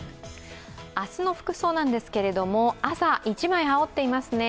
明日の服装なんですが、朝、一枚羽織っていますね。